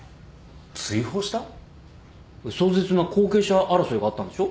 壮絶な後継者争いがあったんでしょ？